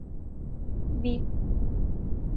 บิด